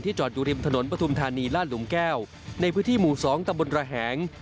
จอดอยู่ริมถนนปฐุมธานีลาดหลุมแก้วในพื้นที่หมู่๒ตะบนระแหง